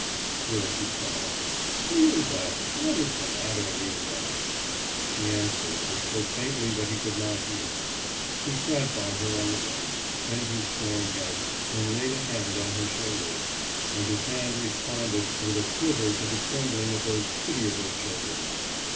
« Still she sobbed. »Liuba! What is the matter, Liuba?« She answered, but so faintly that he could not hear. He sat by her on the bed, bent his shorn head, and laid a hand on her shoulders; and his hand responded with a quiver to the trembling of those pitiable shoulders.